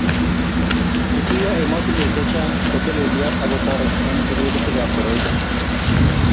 Kituyo emotinwek chechang kotelelyo ak kotoreti eng kewelutikab koroito